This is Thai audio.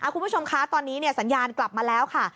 คุณผู้ชมคะตอนนี้สัญญาณกลับมาแล้วค่ะ